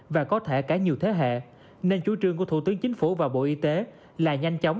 và có thể cả nhiều thế hệ nên chú trương của thủ tướng chính phủ và bộ y tế là nhanh chóng